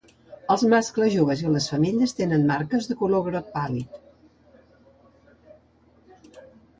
Els mascles joves i les femelles tenen marques de color groc pàl·lid.